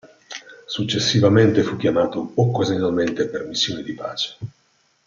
Successivamente fu chiamato occasionalmente per missioni di pace.